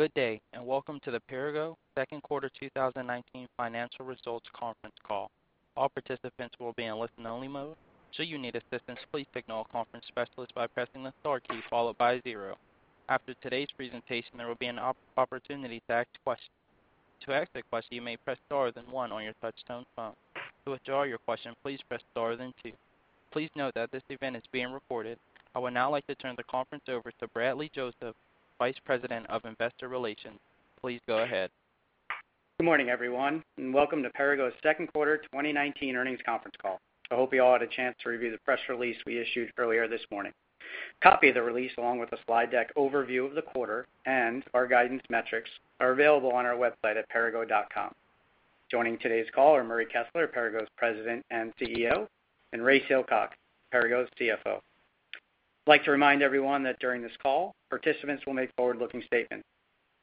Good day, and welcome to the Perrigo second quarter 2019 financial results conference call. All participants will be in listen only mode. Should you need assistance, please signal a conference specialist by pressing the star key followed by zero. After today's presentation, there will be an opportunity to ask questions. To ask a question, you may press star then one on your touch-tone phone. To withdraw your question, please press star then two. Please note that this event is being recorded. I would now like to turn the conference over to Bradley Joseph, Vice President of Investor Relations. Please go ahead. Good morning, everyone, and welcome to Perrigo's second quarter 2019 earnings conference call. I hope you all had a chance to review the press release we issued earlier this morning. Copy of the release, along with a slide deck overview of the quarter and our guidance metrics are available on our website at perrigo.com. Joining today's call are Murray Kessler, Perrigo's President and CEO, and Ray Silcock, Perrigo's CFO. I'd like to remind everyone that during this call, participants will make forward-looking statements.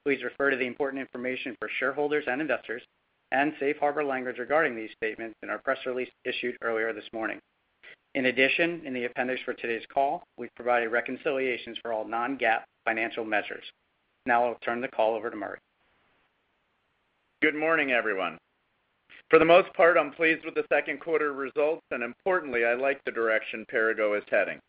Please refer to the important information for shareholders and investors and Safe Harbor language regarding these statements in our press release issued earlier this morning. In addition, in the appendix for today's call, we've provided reconciliations for all non-GAAP financial measures. Now I'll turn the call over to Murray. Good morning, everyone. For the most part, I'm pleased with the second quarter results. Importantly, I like the direction Perrigo is heading.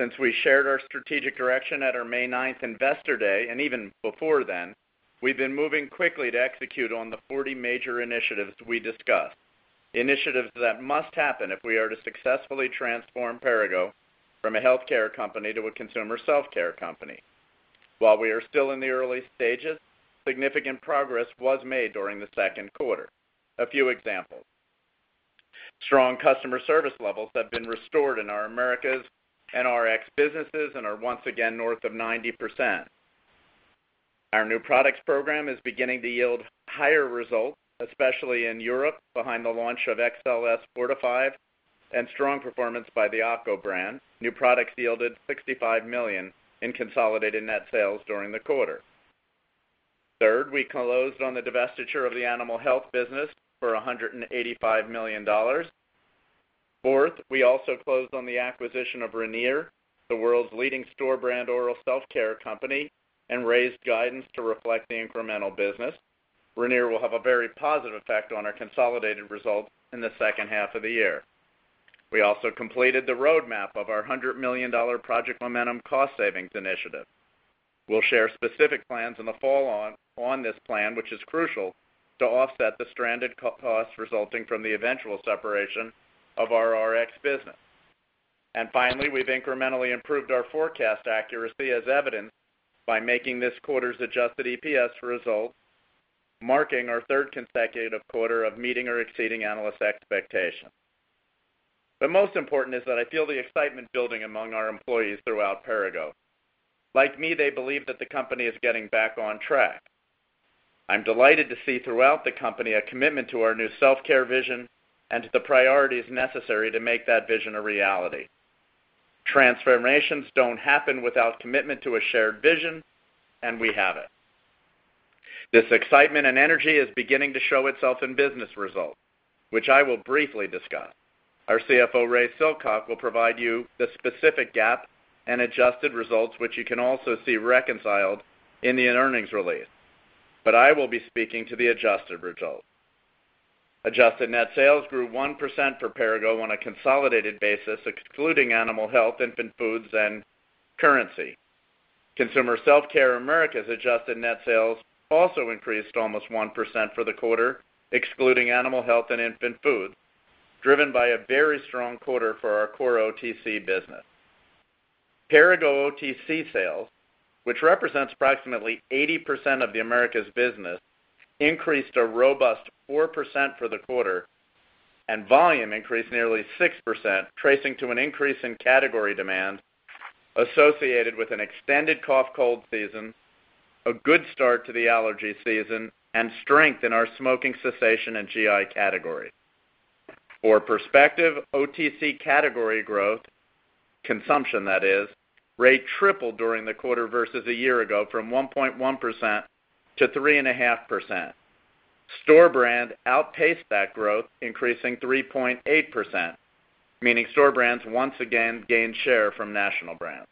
Since we shared our strategic direction at our May 9 Investor Day, even before then, we've been moving quickly to execute on the 40 major initiatives we discussed. Initiatives that must happen if we are to successfully transform Perrigo from a healthcare company to a consumer self-care company. While we are still in the early stages, significant progress was made during the second quarter. A few examples. Strong customer service levels have been restored in our Americas and RX businesses and are once again north of 90%. Our new products program is beginning to yield higher results, especially in Europe, behind the launch of XLS Medical Forte 5 and strong performance by the ACO brand. New products yielded $65 million in consolidated net sales during the quarter. Third, we closed on the divestiture of the animal health business for $185 million. Fourth, we also closed on the acquisition of Ranir, the world's leading store brand oral self-care company, and raised guidance to reflect the incremental business. Ranir will have a very positive effect on our consolidated results in the second half of the year. We also completed the roadmap of our $100 million Project Momentum cost savings initiative. We'll share specific plans in the fall on this plan, which is crucial to offset the stranded costs resulting from the eventual separation of our RX business. Finally, we've incrementally improved our forecast accuracy as evidenced by making this quarter's adjusted EPS results, marking our third consecutive quarter of meeting or exceeding analyst expectations. Most important is that I feel the excitement building among our employees throughout Perrigo. Like me, they believe that the company is getting back on track. I'm delighted to see throughout the company a commitment to our new self-care vision and to the priorities necessary to make that vision a reality. Transformations don't happen without commitment to a shared vision. We have it. This excitement and energy is beginning to show itself in business results, which I will briefly discuss. Our CFO, Ray Silcock, will provide you the specific GAAP and adjusted results, which you can also see reconciled in the earnings release. I will be speaking to the adjusted results. Adjusted net sales grew 1% for Perrigo on a consolidated basis, excluding animal health, infant foods, and currency. Consumer Self-Care Americas' adjusted net sales also increased almost 1% for the quarter, excluding animal health and infant foods, driven by a very strong quarter for our core OTC business. Perrigo OTC sales, which represents approximately 80% of the Americas business, increased a robust 4% for the quarter, and volume increased nearly 6%, tracing to an increase in category demand associated with an extended cough-cold season, a good start to the allergy season, and strength in our smoking cessation and GI category. For perspective, OTC category growth, consumption that is, rate tripled during the quarter versus a year ago from 1.1% to 3.5%. Store brand outpaced that growth, increasing 3.8%, meaning store brands once again gained share from national brands.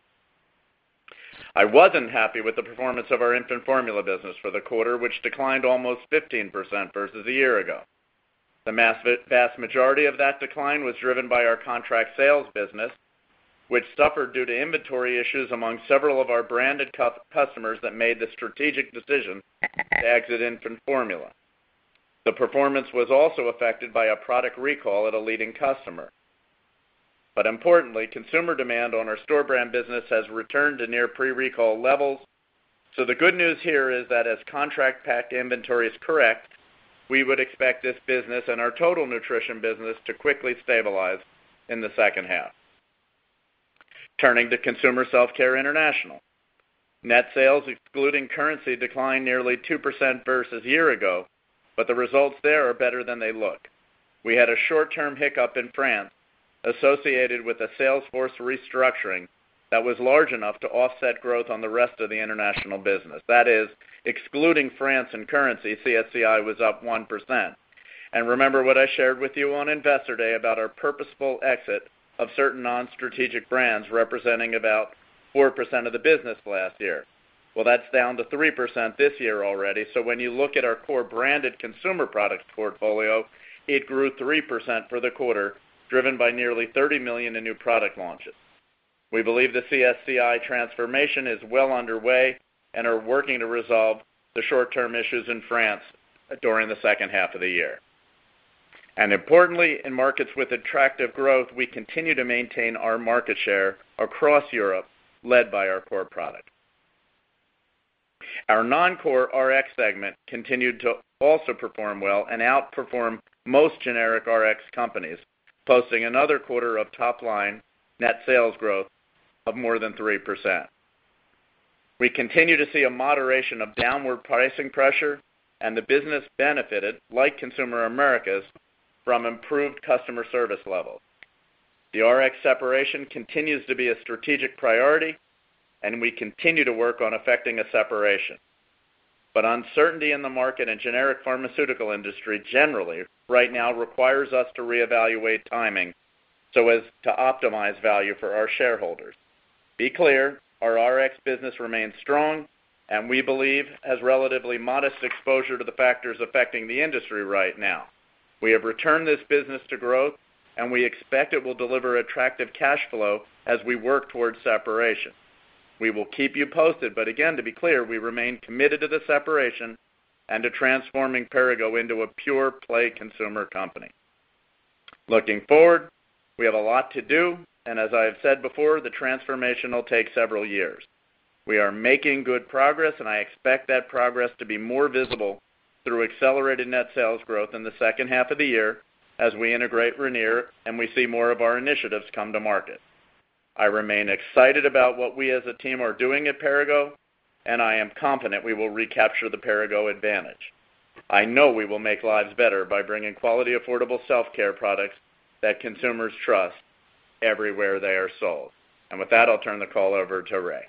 I wasn't happy with the performance of our infant formula business for the quarter, which declined almost 15% versus a year ago. The vast majority of that decline was driven by our contract sales business, which suffered due to inventory issues among several of our branded customers that made the strategic decision to exit infant formula. The performance was also affected by a product recall at a leading customer. Importantly, consumer demand on our store brand business has returned to near pre-recall levels. The good news here is that as contract packed inventory is correct, we would expect this business and our total nutrition business to quickly stabilize in the second half. Turning to Consumer Self-Care International. Net sales excluding currency declined nearly 2% versus year ago. The results there are better than they look. We had a short-term hiccup in France associated with a sales force restructuring that was large enough to offset growth on the rest of the international business. Excluding France and currency, CSCI was up 1%. Remember what I shared with you on Investor Day about our purposeful exit of certain non-strategic brands representing about 4% of the business last year. That's down to 3% this year already. When you look at our core branded consumer products portfolio, it grew 3% for the quarter, driven by nearly $30 million in new product launches. We believe the CSCI transformation is well underway and are working to resolve the short-term issues in France during the second half of the year. Importantly, in markets with attractive growth, we continue to maintain our market share across Europe, led by our core product. Our non-core RX segment continued to also perform well and outperform most generic RX companies, posting another quarter of top-line net sales growth of more than 3%. We continue to see a moderation of downward pricing pressure and the business benefited, like Consumer Self-Care Americas, from improved customer service levels. The RX separation continues to be a strategic priority, and we continue to work on effecting a separation. Uncertainty in the market and generic pharmaceutical industry generally right now requires us to reevaluate timing so as to optimize value for our shareholders. Be clear, our RX business remains strong and we believe has relatively modest exposure to the factors affecting the industry right now. We have returned this business to growth, and we expect it will deliver attractive cash flow as we work towards separation. We will keep you posted, but again, to be clear, we remain committed to the separation and to transforming Perrigo into a pure play consumer company. Looking forward, we have a lot to do, and as I've said before, the transformation will take several years. We are making good progress, I expect that progress to be more visible through accelerated net sales growth in the second half of the year as we integrate Ranir and we see more of our initiatives come to market. I remain excited about what we as a team are doing at Perrigo, I am confident we will recapture the Perrigo advantage. I know we will make lives better by bringing quality, affordable self-care products that consumers trust everywhere they are sold. With that, I'll turn the call over to Ray.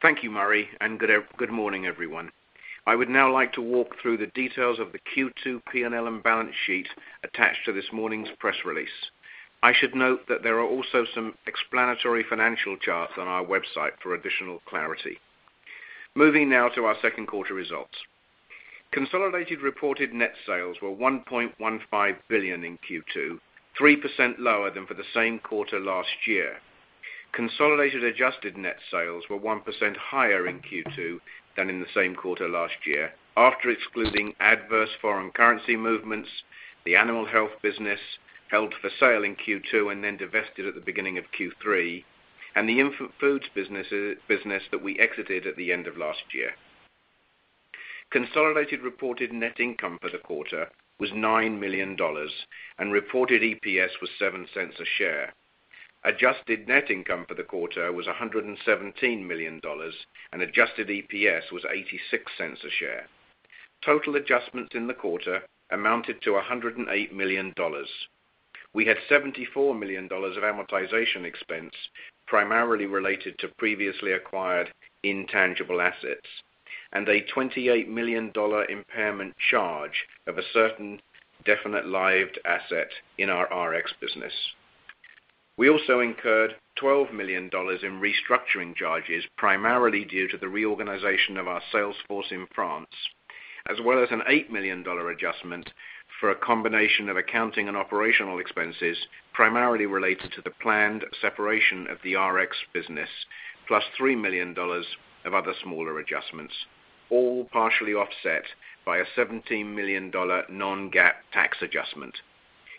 Thank you, Murray, and good morning, everyone. I would now like to walk through the details of the Q2 P&L and balance sheet attached to this morning's press release. I should note that there are also some explanatory financial charts on our website for additional clarity. Moving now to our second quarter results. Consolidated reported net sales were $1.15 billion in Q2, 3% lower than for the same quarter last year. Consolidated adjusted net sales were 1% higher in Q2 than in the same quarter last year, after excluding adverse foreign currency movements, the animal health business held for sale in Q2 and then divested at the beginning of Q3, and the infant formula business that we exited at the end of last year. Consolidated reported net income for the quarter was $9 million, and reported EPS was $0.07 a share. Adjusted net income for the quarter was $117 million, and adjusted EPS was $0.86 a share. Total adjustments in the quarter amounted to $108 million. We had $74 million of amortization expense, primarily related to previously acquired intangible assets, and a $28 million impairment charge of a certain definite lived asset in our RX business. We also incurred $12 million in restructuring charges, primarily due to the reorganization of our sales force in France, as well as an $8 million adjustment for a combination of accounting and operational expenses, primarily related to the planned separation of the RX business, plus $3 million of other smaller adjustments, all partially offset by a $17 million non-GAAP tax adjustment.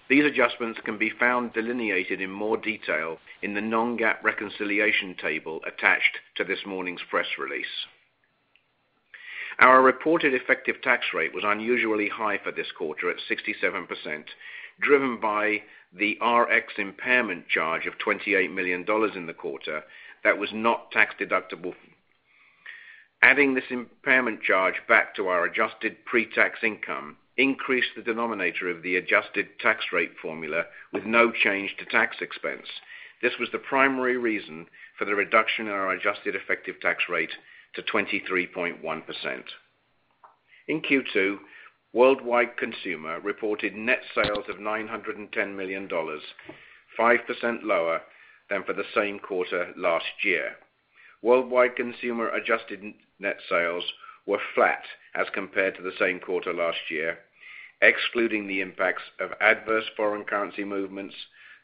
These adjustments can be found delineated in more detail in the non-GAAP reconciliation table attached to this morning's press release. Our reported effective tax rate was unusually high for this quarter at 67%, driven by the RX impairment charge of $28 million in the quarter that was not tax-deductible. Adding this impairment charge back to our adjusted pre-tax income increased the denominator of the adjusted tax rate formula with no change to tax expense. This was the primary reason for the reduction in our adjusted effective tax rate to 23.1%. In Q2, Worldwide Consumer reported net sales of $910 million, 5% lower than for the same quarter last year. Worldwide Consumer adjusted net sales were flat as compared to the same quarter last year, excluding the impacts of adverse foreign currency movements,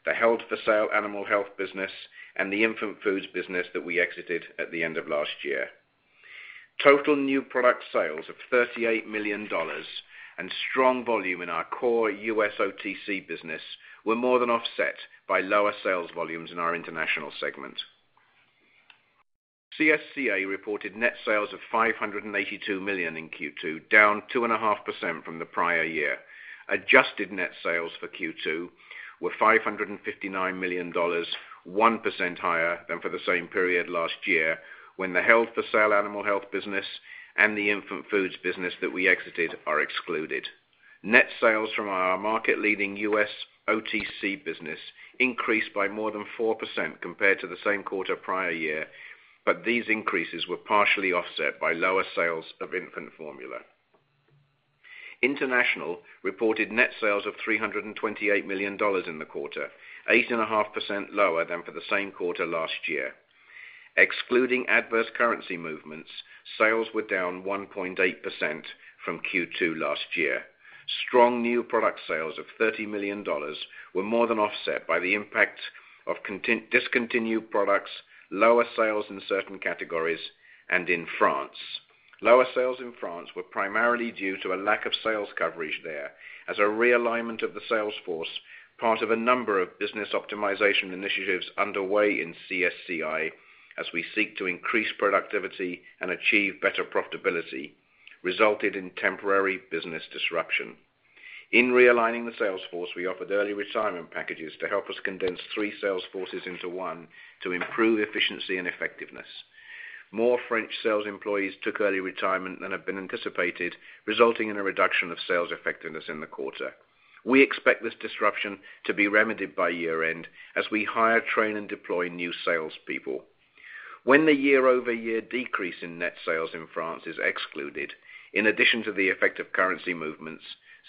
the held for sale animal health business, and the infant foods business that we exited at the end of last year. Total new product sales of $38 million and strong volume in our core U.S. OTC business were more than offset by lower sales volumes in our international segment. CSCA reported net sales of $582 million in Q2, down 2.5% from the prior year. Adjusted net sales for Q2 were $559 million, 1% higher than for the same period last year when the held for sale animal health business and the infant foods business that we exited are excluded. Net sales from our market leading U.S. OTC business increased by more than 4% compared to the same quarter prior year, these increases were partially offset by lower sales of infant formula. International reported net sales of $328 million in the quarter, 8.5% lower than for the same quarter last year. Excluding adverse currency movements, sales were down 1.8% from Q2 last year. Strong new product sales of $30 million were more than offset by the impact of discontinued products, lower sales in certain categories, and in France. Lower sales in France were primarily due to a lack of sales coverage there as a realignment of the sales force, part of a number of business optimization initiatives underway in CSCI as we seek to increase productivity and achieve better profitability, resulted in temporary business disruption. In realigning the sales force, we offered early retirement packages to help us condense three sales forces into one to improve efficiency and effectiveness. More French sales employees took early retirement than had been anticipated, resulting in a reduction of sales effectiveness in the quarter. We expect this disruption to be remedied by year-end as we hire, train, and deploy new salespeople. When the year-over-year decrease in net sales in France is excluded, in addition to the effect of currency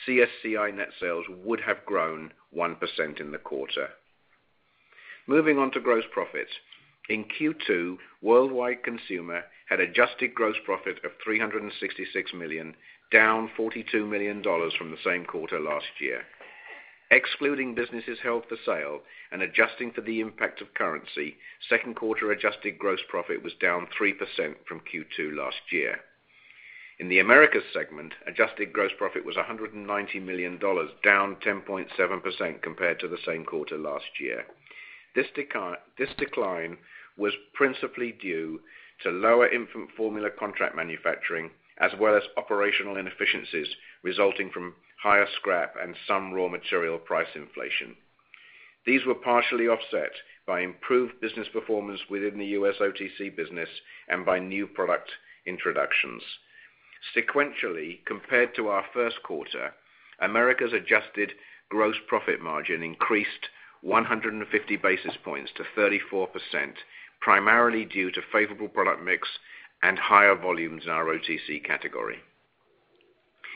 movements, CSCI net sales would have grown 1% in the quarter. Moving on to gross profits. In Q2, Worldwide Consumer had adjusted gross profit of $366 million, down $42 million from the same quarter last year. Excluding businesses held for sale and adjusting for the impact of currency, second quarter adjusted gross profit was down 3% from Q2 last year. In the Americas segment, adjusted gross profit was $190 million, down 10.7% compared to the same quarter last year. This decline was principally due to lower infant formula contract manufacturing as well as operational inefficiencies resulting from higher scrap and some raw material price inflation. These were partially offset by improved business performance within the U.S. OTC business and by new product introductions. Sequentially, compared to our first quarter, Americas adjusted gross profit margin increased 150 basis points to 34%, primarily due to favorable product mix and higher volumes in our OTC category.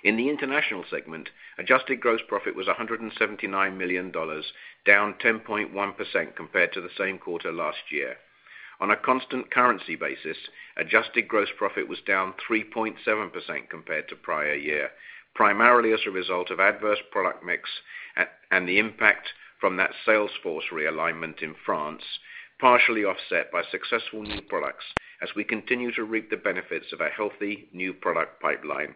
In the International segment, adjusted gross profit was $179 million, down 10.1% compared to the same quarter last year. On a constant currency basis, adjusted gross profit was down 3.7% compared to prior year, primarily as a result of adverse product mix and the impact from that sales force realignment in France, partially offset by successful new products as we continue to reap the benefits of a healthy new product pipeline.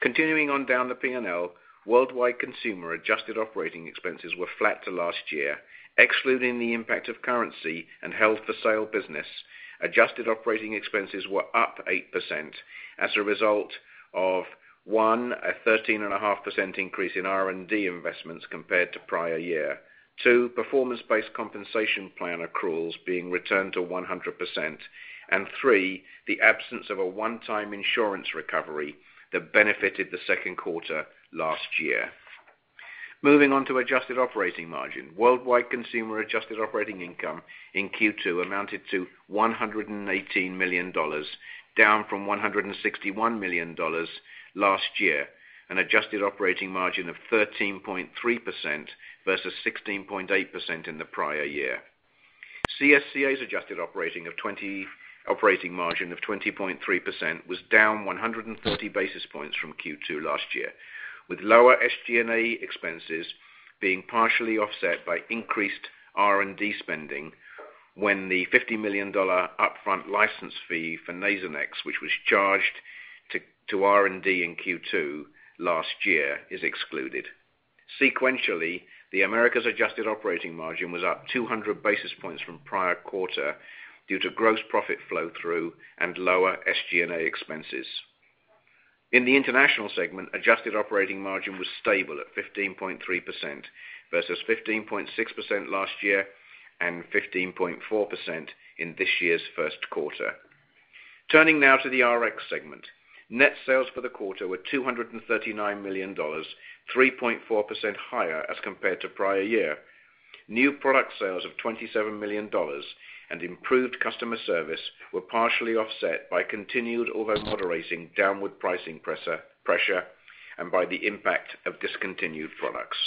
Continuing on down the P&L, Worldwide Consumer adjusted operating expenses were flat to last year. Excluding the impact of currency and held-for-sale business, adjusted operating expenses were up 8% as a result of, one, a 13.5% increase in R&D investments compared to prior year. 2, performance-based compensation plan accruals being returned to 100%. 3, the absence of a one-time insurance recovery that benefited the second quarter last year. Moving on to adjusted operating margin. Worldwide Consumer adjusted operating income in Q2 amounted to $118 million, down from $161 million last year, an adjusted operating margin of 13.3% versus 16.8% in the prior year. CSCA's adjusted operating margin of 20.3% was down 140 basis points from Q2 last year, with lower SG&A expenses being partially offset by increased R&D spending when the $50 million upfront license fee for Nasonex, which was charged to R&D in Q2 last year, is excluded. Sequentially, the Americas adjusted operating margin was up 200 basis points from prior quarter due to gross profit flow-through and lower SG&A expenses. In the International segment, adjusted operating margin was stable at 15.3% versus 15.6% last year and 15.4% in this year's first quarter. Turning now to the RX segment. Net sales for the quarter were $239 million, 3.4% higher as compared to prior year. New product sales of $27 million and improved customer service were partially offset by continued, although moderating, downward pricing pressure and by the impact of discontinued products.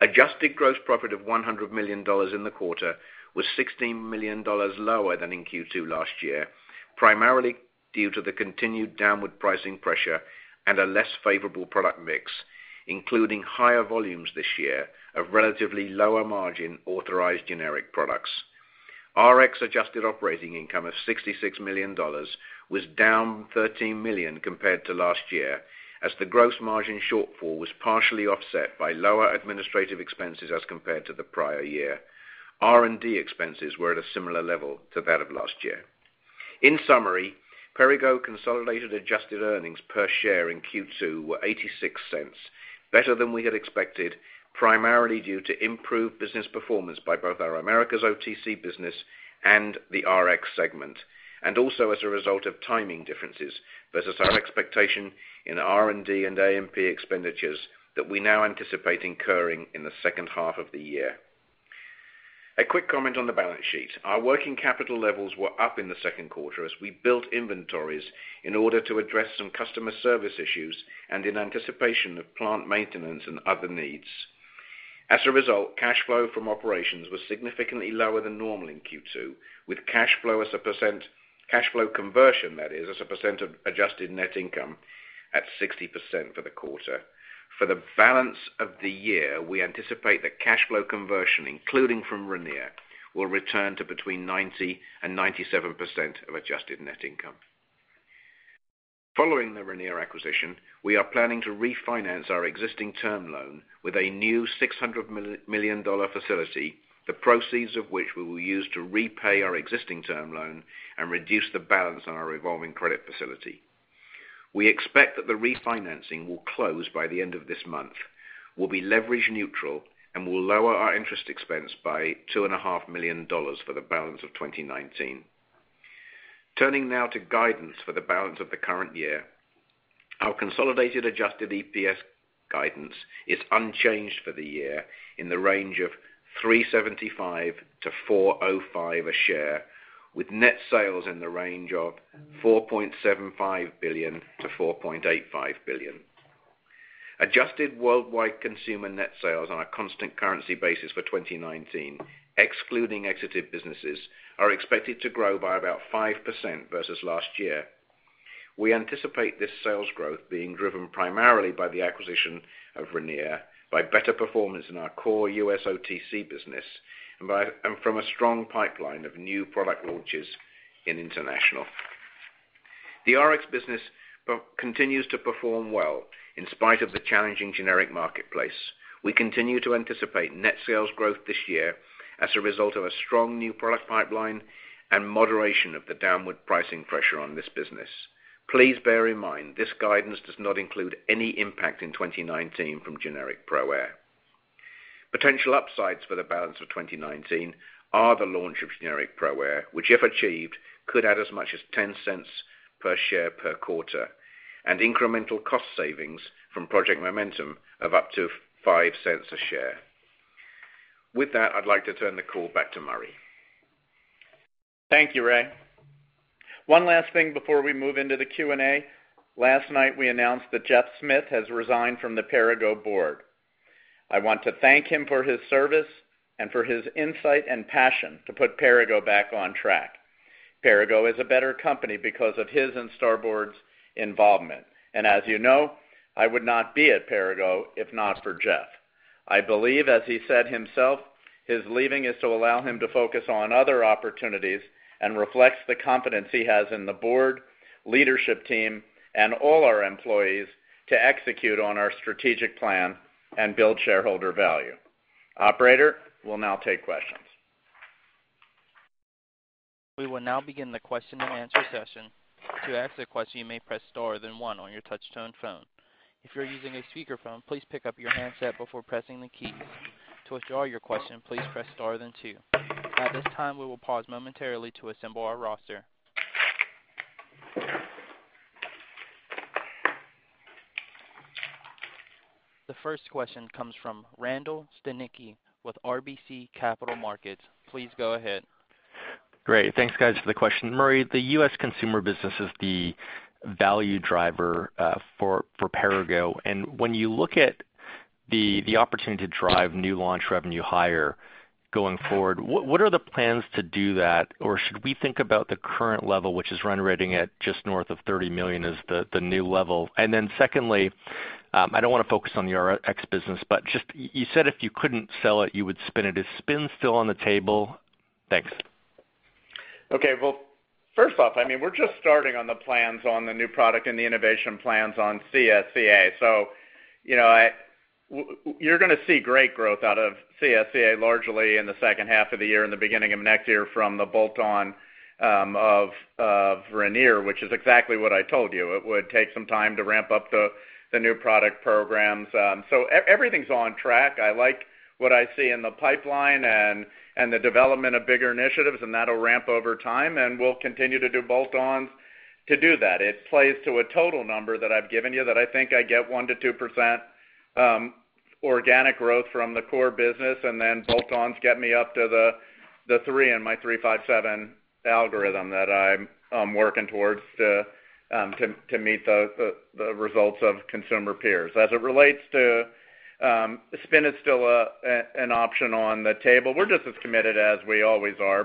Adjusted gross profit of $100 million in the quarter was $16 million lower than in Q2 last year, primarily due to the continued downward pricing pressure and a less favorable product mix, including higher volumes this year of relatively lower margin authorized generic products. RX adjusted operating income of $66 million was down $13 million compared to last year, as the gross margin shortfall was partially offset by lower administrative expenses as compared to the prior year. R&D expenses were at a similar level to that of last year. In summary, Perrigo consolidated adjusted earnings per share in Q2 were $0.86, better than we had expected, primarily due to improved business performance by both our Americas OTC business and the RX segment, and also as a result of timing differences versus our expectation in R&D and A&P expenditures that we now anticipate incurring in the second half of the year. A quick comment on the balance sheet. Our working capital levels were up in the second quarter as we built inventories in order to address some customer service issues and in anticipation of plant maintenance and other needs. As a result, cash flow from operations was significantly lower than normal in Q2, with cash flow conversion as a percent of adjusted net income at 60% for the quarter. For the balance of the year, we anticipate that cash flow conversion, including from Ranir, will return to between 90% and 97% of adjusted net income. Following the Ranir acquisition, we are planning to refinance our existing term loan with a new $600 million facility, the proceeds of which we will use to repay our existing term loan and reduce the balance on our revolving credit facility. We expect that the refinancing will close by the end of this month. We'll be leverage neutral and will lower our interest expense by $2.5 million for the balance of 2019. Turning now to guidance for the balance of the current year. Our consolidated adjusted EPS guidance is unchanged for the year in the range of $3.75 to $4.05 a share, with net sales in the range of $4.75 billion to $4.85 billion. Adjusted Worldwide Consumer net sales on a constant currency basis for 2019, excluding exited businesses, are expected to grow by about 5% versus last year. We anticipate this sales growth being driven primarily by the acquisition of Ranir, by better performance in our core U.S. OTC business, and from a strong pipeline of new product launches in international. The RX business continues to perform well in spite of the challenging generic marketplace. We continue to anticipate net sales growth this year as a result of a strong new product pipeline and moderation of the downward pricing pressure on this business. Please bear in mind, this guidance does not include any impact in 2019 from generic ProAir. Potential upsides for the balance of 2019 are the launch of generic ProAir, which if achieved, could add as much as $0.10 per share per quarter, and incremental cost savings from Project Momentum of up to $0.05 a share. With that, I'd like to turn the call back to Murray. Thank you, Ray. One last thing before we move into the Q&A. Last night, we announced that Jeff Smith has resigned from the Perrigo board. I want to thank him for his service and for his insight and passion to put Perrigo back on track. Perrigo is a better company because of his and Starboard's involvement. As you know, I would not be at Perrigo if not for Jeff. I believe, as he said himself, his leaving is to allow him to focus on other opportunities and reflects the confidence he has in the board, leadership team, and all our employees to execute on our strategic plan and build shareholder value. Operator, we'll now take questions. We will now begin the question and answer session. To ask a question, you may press star then one on your touch-tone phone. If you're using a speakerphone, please pick up your handset before pressing the keys. To withdraw your question, please press star then two. At this time, we will pause momentarily to assemble our roster. The first question comes from Randall Stanicky with RBC Capital Markets. Please go ahead. Great. Thanks, guys, for the question. Murray, the U.S. consumer business is the value driver for Perrigo. When you look at the opportunity to drive new launch revenue higher going forward, what are the plans to do that? Should we think about the current level, which is run rating at just north of $30 million as the new level? Secondly, I don't want to focus on your RX business. You said if you couldn't sell it, you would spin it. Is spin still on the table? Thanks. Well, first off, we're just starting on the plans on the new product and the innovation plans on CSCA. You're going to see great growth out of CSCA largely in the second half of the year and the beginning of next year from the bolt-on of Ranir, which is exactly what I told you. It would take some time to ramp up the new product programs. Everything's on track. I like what I see in the pipeline and the development of bigger initiatives, and that'll ramp over time, and we'll continue to do bolt-ons to do that. It plays to a total number that I've given you that I think I get 1%-2% organic growth from the core business, and then bolt-ons get me up to the 3 in my 3-5-7 algorithm that I'm working towards to meet the results of consumer peers. As it relates to spin, it's still an option on the table. We're just as committed as we always are.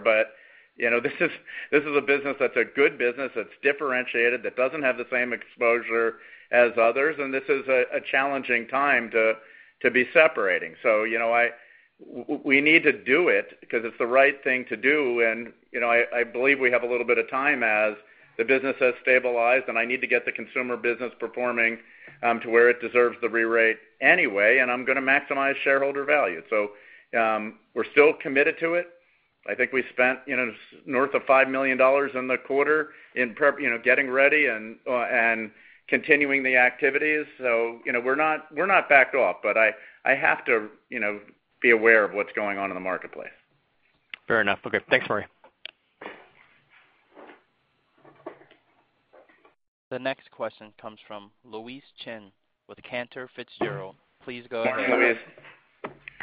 This is a business that's a good business, that's differentiated, that doesn't have the same exposure as others, and this is a challenging time to be separating. We need to do it because it's the right thing to do, and I believe we have a little bit of time as the business has stabilized, and I need to get the consumer business performing to where it deserves the rerate anyway, and I'm going to maximize shareholder value. We're still committed to it. I think we spent north of $5 million in the quarter in getting ready and continuing the activities. We're not backed off, but I have to be aware of what's going on in the marketplace. Fair enough. Okay. Thanks, Murray. The next question comes from Louise Chen with Cantor Fitzgerald. Please go ahead.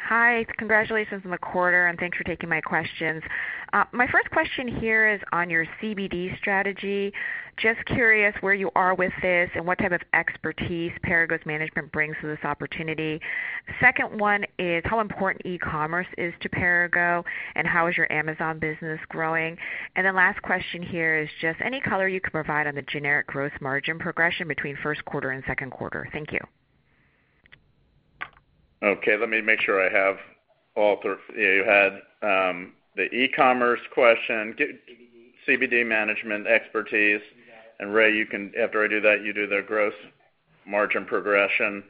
Hi. Congratulations on the quarter, and thanks for taking my questions. My first question here is on your CBD strategy. Just curious where you are with this and what type of expertise Perrigo's management brings to this opportunity. Second one is how important e-commerce is to Perrigo and how is your Amazon business growing. Last question here is just any color you could provide on the generic growth margin progression between first quarter and second quarter. Thank you. Let me make sure I have all three. You had the e-commerce question. CBD. CBD management expertise. You got it. Ray, after I do that, you do the gross margin progression.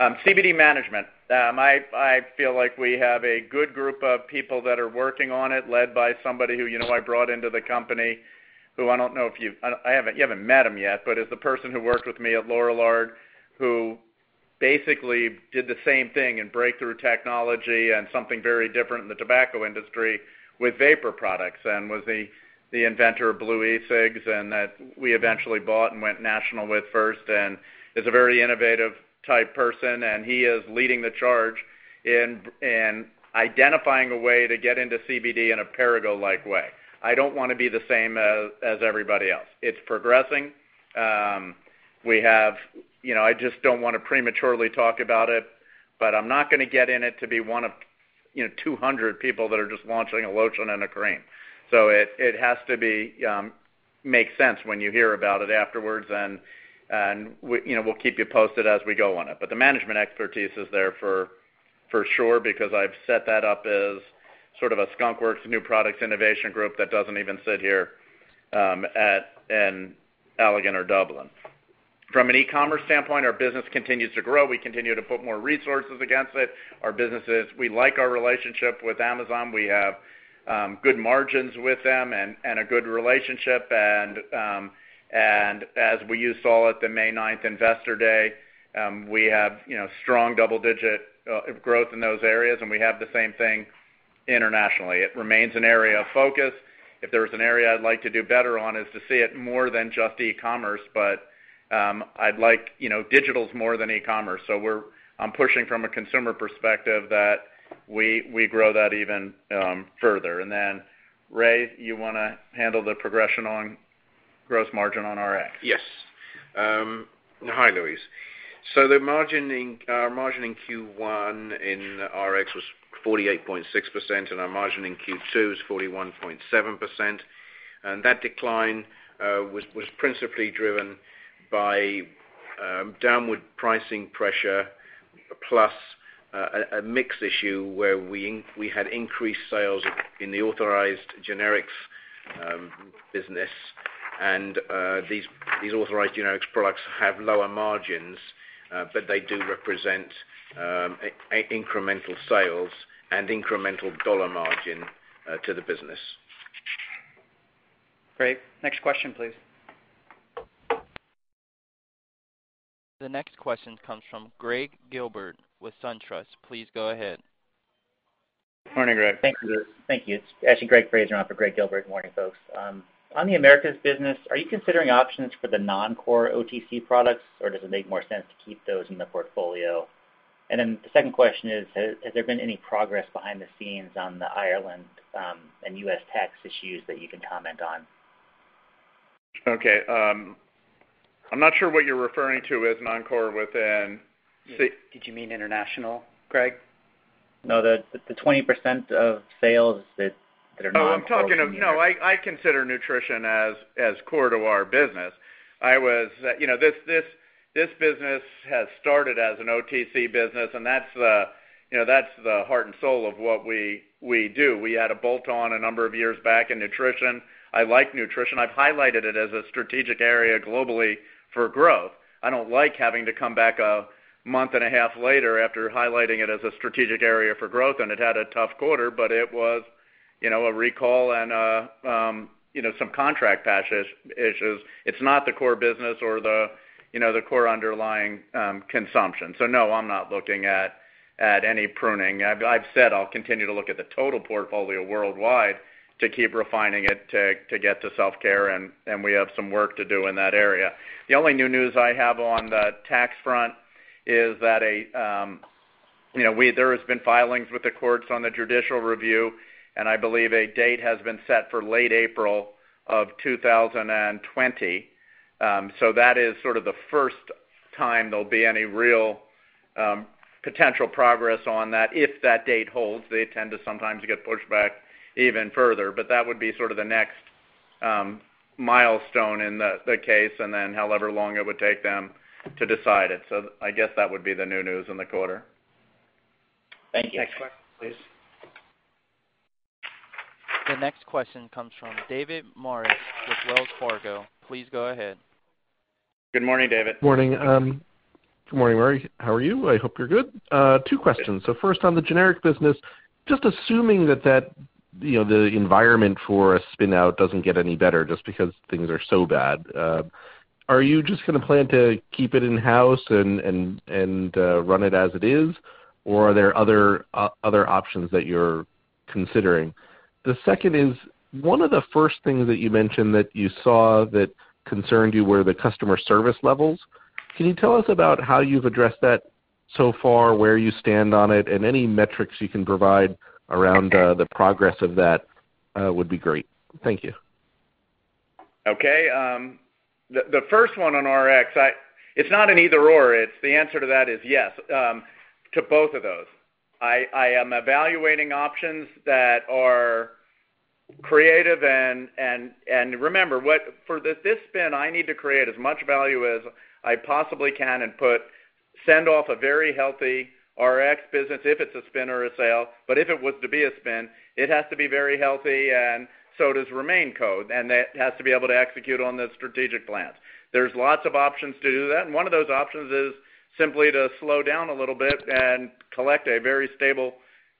CBD management. I feel like we have a good group of people that are working on it, led by somebody who I brought into the company, who you haven't met him yet, but is the person who worked with me at Lorillard, who basically did the same thing in breakthrough technology and something very different in the tobacco industry with vapor products and was the inventor of blu eCigs, and that we eventually bought and went national with first and is a very innovative type person, and he is leading the charge in identifying a way to get into CBD in a Perrigo-like way. I don't want to be the same as everybody else. It's progressing. I just don't want to prematurely talk about it, but I'm not going to get in it to be one of 200 people that are just launching a lotion and a cream. It has to make sense when you hear about it afterwards, and we'll keep you posted as we go on it. The management expertise is there for sure, because I've set that up as sort of a skunkworks, new products innovation group that doesn't even sit here in Allegan or Dublin. From an e-commerce standpoint, our business continues to grow. We continue to put more resources against it. We like our relationship with Amazon. We have good margins with them and a good relationship. As you saw at the May 9th Investor Day, we have strong double-digit growth in those areas, and we have the same thing internationally. It remains an area of focus. If there's an area I'd like to do better on is to see it more than just e-commerce, but digital's more than e-commerce. I'm pushing from a consumer perspective that we grow that even further. Ray, you want to handle the progression on gross margin on RX? Yes. Hi, Louise. The margin in Q1 in RX was 48.6%, and our margin in Q2 was 41.7%. That decline was principally driven by downward pricing pressure, plus a mix issue where we had increased sales in the authorized generics business. These authorized generics products have lower margins, but they do represent incremental sales and incremental dollar margin to the business. Great. Next question, please. The next question comes from Gregg Gilbert with SunTrust. Please go ahead. Morning, Greg. Thank you. It's actually Gregory Fraser on for Gregg Gilbert. Good morning, folks. On the Americas business, are you considering options for the non-core OTC products, or does it make more sense to keep those in the portfolio? The second question is, has there been any progress behind the scenes on the Ireland and U.S. tax issues that you can comment on? Okay. I'm not sure what you're referring to as non-core. Did you mean international, Greg? No, the 20% of sales that are non-core. No, I consider nutrition as core to our business. This business has started as an OTC business, and that's the heart and soul of what we do. We had a bolt-on a number of years back in nutrition. I like nutrition. I've highlighted it as a strategic area globally for growth. I don't like having to come back a month and a half later after highlighting it as a strategic area for growth, it had a tough quarter, it was a recall and some contract batch issues. It's not the core business or the core underlying consumption. No, I'm not looking at any pruning. I've said I'll continue to look at the total portfolio worldwide to keep refining it to get to self-care, we have some work to do in that area. The only new news I have on the tax front is that there has been filings with the courts on the judicial review, and I believe a date has been set for late April of 2020. That is sort of the first time there'll be any real potential progress on that, if that date holds. They tend to sometimes get pushed back even further. That would be sort of the next milestone in the case, and then however long it would take them to decide it. I guess that would be the new news in the quarter. Thank you. Next question, please. The next question comes from David Maris with Wells Fargo. Please go ahead. Good morning, David. Morning. Good morning, Murray. How are you? I hope you're good. Two questions. First on the generic business, just assuming that the environment for a spin-out doesn't get any better just because things are so bad, are you just going to plan to keep it in-house and run it as it is? Or are there other options that you're considering. The second is, one of the first things that you mentioned that you saw that concerned you were the customer service levels. Can you tell us about how you've addressed that so far, where you stand on it, and any metrics you can provide around the progress of that would be great. Thank you. Okay. The first one on Rx, it's not an either/or. The answer to that is yes, to both of those. I am evaluating options that are creative. Remember, for this spin, I need to create as much value as I possibly can and send off a very healthy Rx business if it's a spin or a sale. If it was to be a spin, it has to be very healthy and so does RemainCo, and it has to be able to execute on the strategic plans. There's lots of options to do that, and one of those options is simply to slow down a little bit and collect a very stable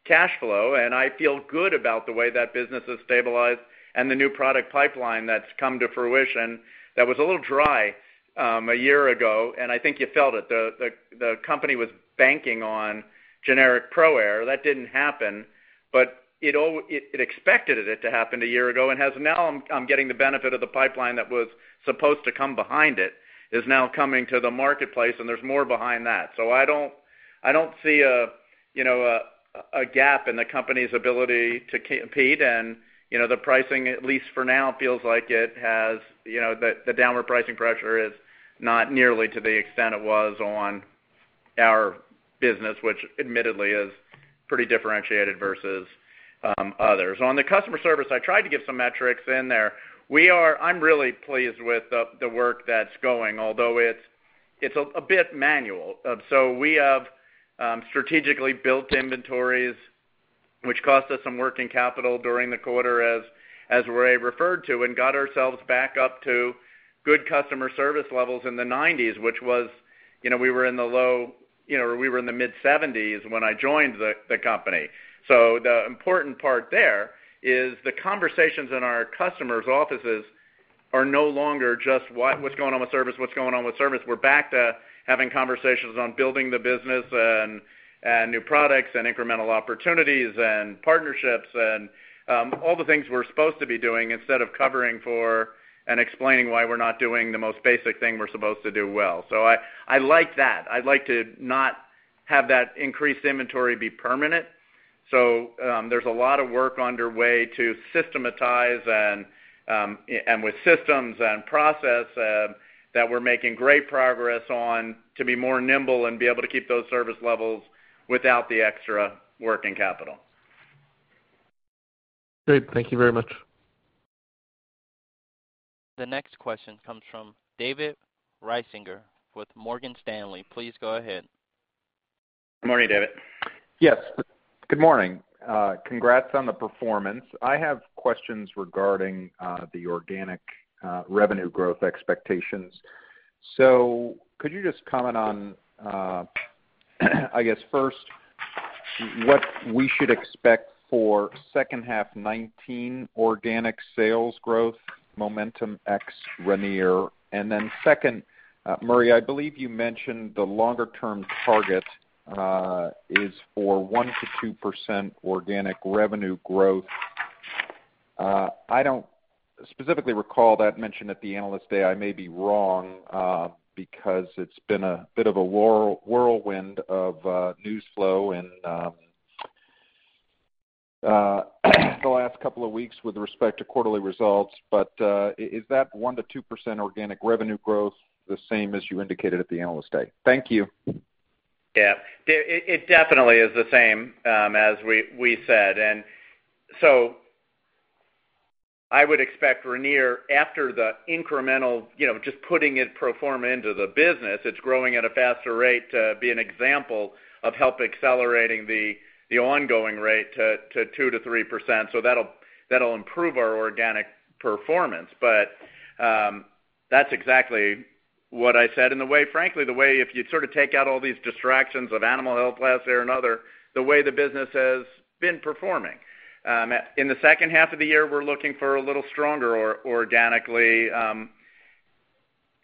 cash flow. I feel good about the way that business has stabilized and the new product pipeline that's come to fruition. That was a little dry a year ago, and I think you felt it. The company was banking on generic ProAir. That didn't happen, but it expected it to happen a year ago, and now I'm getting the benefit of the pipeline that was supposed to come behind it, is now coming to the marketplace, and there's more behind that. I don't see a gap in the company's ability to compete, and the pricing, at least for now, feels like the downward pricing pressure is not nearly to the extent it was on our business, which admittedly is pretty differentiated versus others. On the customer service, I tried to give some metrics in there. I'm really pleased with the work that's going, although it's a bit manual. We have strategically built inventories, which cost us some working capital during the quarter, as Ray referred to, and got ourselves back up to good customer service levels in the nineties. We were in the mid-70s when I joined the company. The important part there is the conversations in our customers' offices are no longer just, "What's going on with service? What's going on with service?" We're back to having conversations on building the business and new products and incremental opportunities and partnerships and all the things we're supposed to be doing instead of covering for and explaining why we're not doing the most basic thing we're supposed to do well. I like that. I'd like to not have that increased inventory be permanent. There's a lot of work underway to systematize, and with systems and process that we're making great progress on to be more nimble and be able to keep those service levels without the extra working capital. Great. Thank you very much. The next question comes from David Risinger with Morgan Stanley. Please go ahead. Morning, David. Yes. Good morning. Congrats on the performance. I have questions regarding the organic revenue growth expectations. Could you just comment on, I guess first, what we should expect for second half 2019 organic sales growth momentum ex Ranir. Second, Murray, I believe you mentioned the longer-term target is for 1% to 2% organic revenue growth. I don't specifically recall that mentioned at the Investor Day. I may be wrong, because it's been a bit of a whirlwind of news flow in the last couple of weeks with respect to quarterly results. Is that 1% to 2% organic revenue growth the same as you indicated at the Investor Day? Thank you. Yeah. It definitely is the same as we said. I would expect Ranir after the incremental, just putting it pro forma into the business, it's growing at a faster rate to be an example of help accelerating the ongoing rate to 2% to 3%. That'll improve our organic performance. That's exactly what I said. Frankly, if you take out all these distractions of animal health last year and other, the way the business has been performing. In the second half of the year, we're looking for a little stronger organically,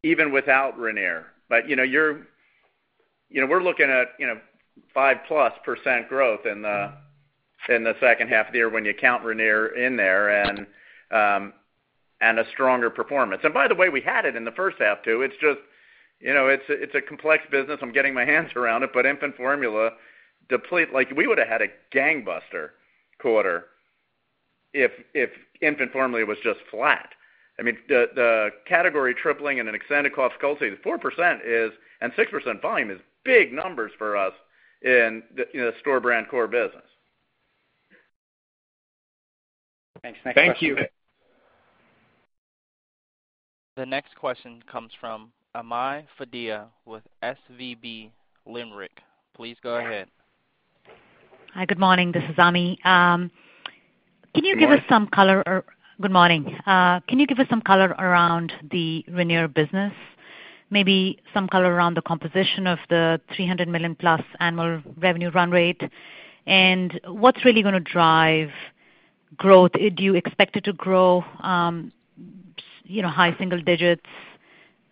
even without Ranir. We're looking at 5% plus growth in the second half of the year when you count Ranir in there, and a stronger performance. By the way, we had it in the first half, too. It's a complex business. I'm getting my hands around it. Infant formula, we would have had a gangbuster quarter if infant formula was just flat. The category tripling and an extended cost subsidy, the 4% is, and 6% volume is big numbers for us in the store brand core business. Thanks. Next question. Thank you. The next question comes from Ami Fadia with SVB Leerink. Please go ahead. Hi. Good morning. This is Ami. Good morning. Good morning. Can you give us some color around the Ranir business? Maybe some color around the composition of the $300 million-plus annual revenue run rate, what's really going to drive growth? Do you expect it to grow high single digits.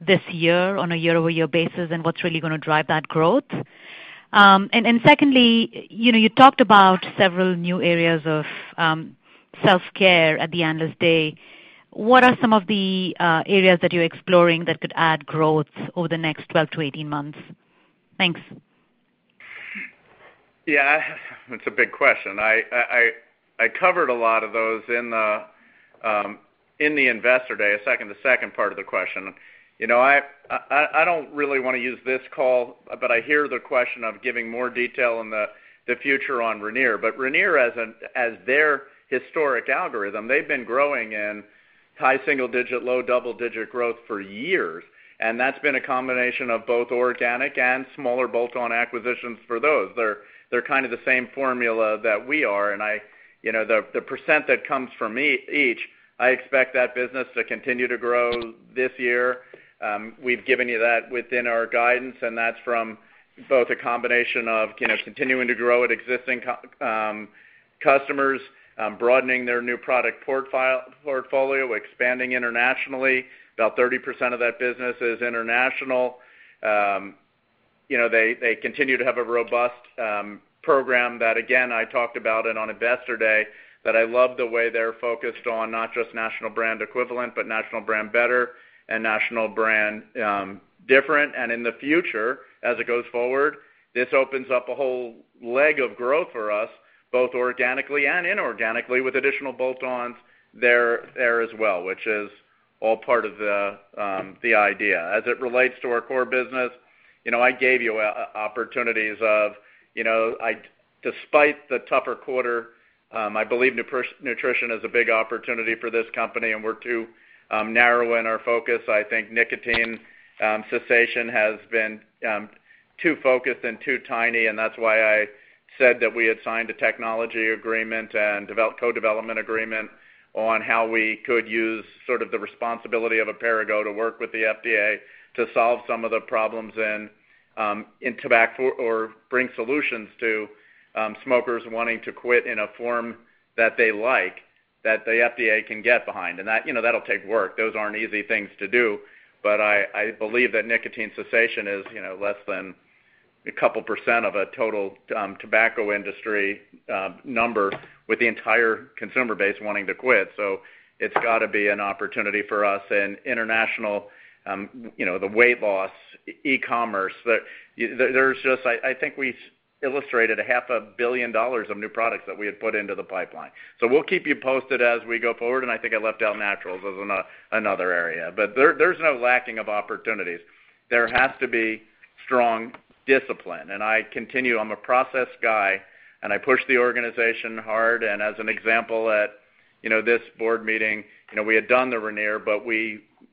This year on a year-over-year basis, what's really going to drive that growth? Secondly, you talked about several new areas of self-care at the Investor Day. What are some of the areas that you're exploring that could add growth over the next 12 to 18 months? Thanks. Yeah, that's a big question. I covered a lot of those in the Investor Day, the second part of the question. I don't really want to use this call. I hear the question of giving more detail on the future on Ranir. Ranir, as their historic algorithm, they've been growing in high single-digit, low double-digit growth for years, and that's been a combination of both organic and smaller bolt-on acquisitions for those. They're kind of the same formula that we are. The % that comes from each, I expect that business to continue to grow this year. We've given you that within our guidance, and that's from both a combination of continuing to grow at existing customers, broadening their new product portfolio, expanding internationally. About 30% of that business is international. They continue to have a robust program that, again, I talked about it on Investor Day, that I love the way they're focused on not just national brand equivalent, but national brand better and national brand different. In the future, as it goes forward, this opens up a whole leg of growth for us, both organically and inorganically, with additional bolt-ons there as well, which is all part of the idea. As it relates to our core business, I gave you opportunities of, despite the tougher quarter, I believe nutrition is a big opportunity for this company, and we're too narrow in our focus. I think nicotine cessation has been too focused and too tiny. That's why I said that we had signed a technology agreement and co-development agreement on how we could use sort of the responsibility of Perrigo to work with the FDA to solve some of the problems in tobacco or bring solutions to smokers wanting to quit in a form that they like, that the FDA can get behind. That'll take work. Those aren't easy things to do. I believe that nicotine cessation is less than a couple % of a total tobacco industry number with the entire consumer base wanting to quit. It's got to be an opportunity for us in international, the weight loss, e-commerce. I think we illustrated a half a billion dollars of new products that we had put into the pipeline. We'll keep you posted as we go forward, and I think I left out Naturals as another area. There's no lacking of opportunities. There has to be strong discipline, and I continue. I'm a process guy, and I push the organization hard. As an example, at this board meeting, we had done the Ranir, but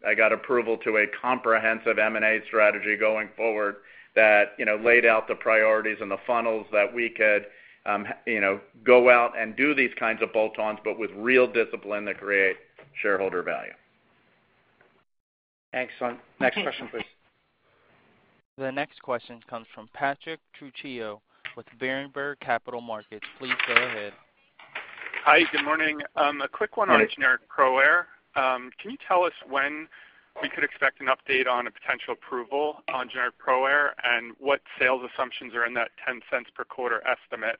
I got approval to a comprehensive M&A strategy going forward that laid out the priorities and the funnels that we could go out and do these kinds of bolt-ons, but with real discipline to create shareholder value. Excellent. Next question, please. The next question comes from Patrick Trucchio with Berenberg Capital Markets. Please go ahead. Hi, good morning. A quick one on generic ProAir. Can you tell us when we could expect an update on a potential approval on generic ProAir, and what sales assumptions are in that $0.10 per quarter estimate?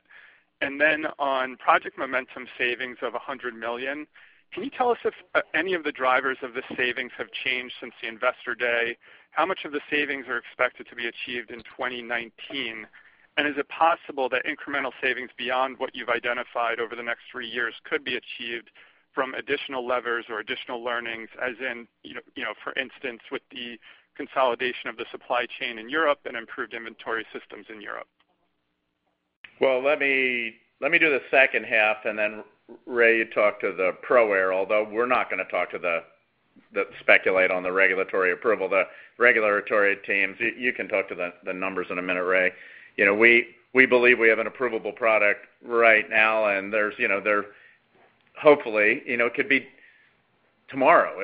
On Project Momentum savings of $100 million, can you tell us if any of the drivers of the savings have changed since the Investor Day? How much of the savings are expected to be achieved in 2019? Is it possible that incremental savings beyond what you've identified over the next three years could be achieved from additional levers or additional learnings, as in, for instance, with the consolidation of the supply chain in Europe and improved inventory systems in Europe? Well, let me do the second half, and then Ray, you talk to the ProAir, although we're not going to talk to the speculate on the regulatory approval. The regulatory teams, you can talk to the numbers in a minute, Ray. We believe we have an approvable product right now, and hopefully, it could be tomorrow.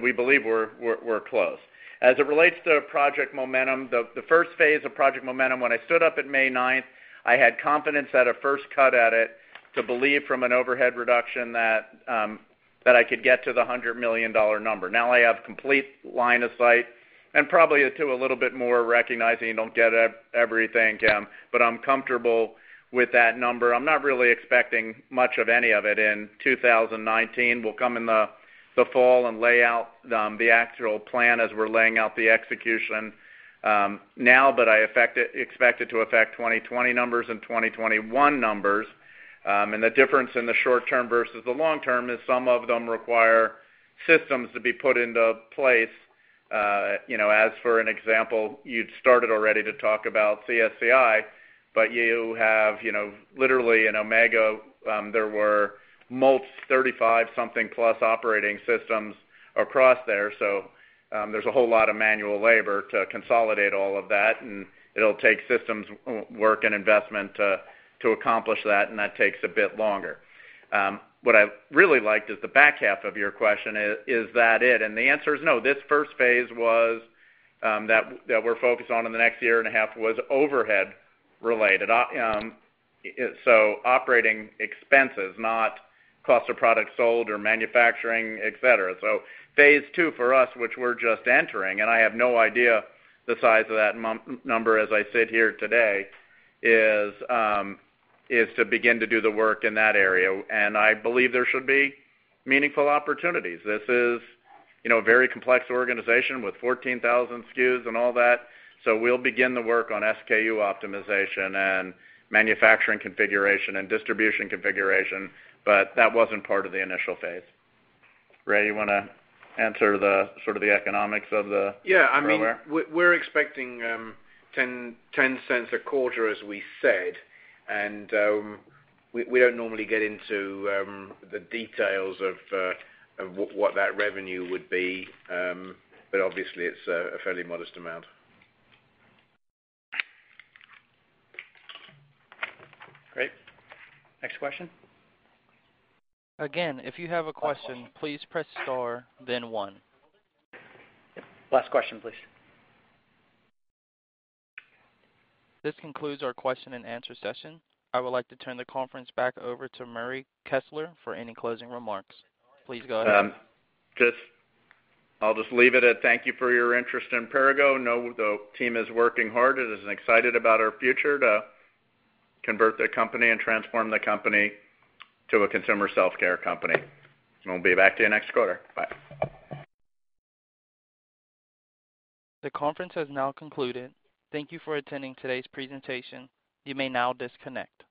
We believe we're close. As it relates to Project Momentum, the first phase of Project Momentum, when I stood up at May 9th, I had confidence at a first cut at it to believe from an overhead reduction that I could get to the $100 million number. Now I have complete line of sight and probably to a little bit more recognizing you don't get everything, Tim, but I'm comfortable with that number. I'm not really expecting much of any of it in 2019. We'll come in the fall and lay out the actual plan as we're laying out the execution now, but I expect it to affect 2020 numbers and 2021 numbers. The difference in the short term versus the long term is some of them require systems to be put into place. As for an example, you'd started already to talk about CSCI, but you have literally in Omega, there were 35 something plus operating systems across there. There's a whole lot of manual labor to consolidate all of that, and it'll take systems work and investment to accomplish that, and that takes a bit longer. What I really liked is the back half of your question, is that it? The answer is no. This first phase that we're focused on in the next year and a half was overhead related. Operating expenses, not cost of product sold or manufacturing, et cetera. Phase two for us, which we're just entering, and I have no idea the size of that number as I sit here today, is to begin to do the work in that area. I believe there should be meaningful opportunities. This is a very complex organization with 14,000 SKUs and all that. We'll begin the work on SKU optimization and manufacturing configuration and distribution configuration, but that wasn't part of the initial phase. Ray, you want to answer the sort of the economics of the ProAir? Yeah, we're expecting $0.10 a quarter, as we said, and we don't normally get into the details of what that revenue would be, but obviously it's a fairly modest amount. Great. Next question. Again, if you have a question, please press star, then one. Last question, please. This concludes our question and answer session. I would like to turn the conference back over to Murray Kessler for any closing remarks. Please go ahead. I'll just leave it at thank you for your interest in Perrigo. I know the team is working hard. It is excited about our future to convert the company and transform the company to a consumer self-care company. We'll be back to you next quarter. Bye. The conference has now concluded. Thank You for attending today's presentation. You may now disconnect.